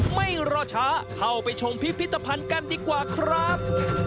ไม่รอช้าเข้าไปชมพิพิธภัณฑ์กันดีกว่าครับ